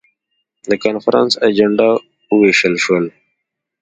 د کنفرانس اجندا وویشل شول.